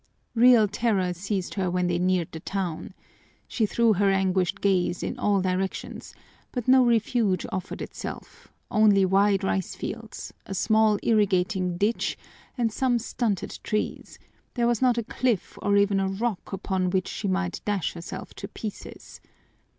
Real terror seized her when they neared the town. She threw her anguished gaze in all directions, but no refuge offered itself, only wide rice fields, a small irrigating ditch, and some stunted trees; there was not a cliff or even a rock upon which she might dash herself to pieces!